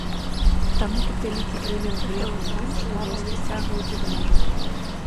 Таму тут вялікі элемент блефу ў тым, што войскі сцягваюцца да мяжы.